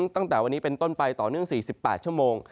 ตั้งแต่วันนี้เป็นต้นไปต่อเนื่อง๔๘ชั่วโมง